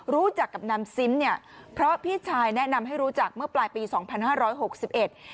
รู้จักกับนางซิมเนี่ยเพราะพี่ชายแนะนำให้รู้จักเมื่อปลายปีสองพันห้าร้อยหกสิบเอ็ด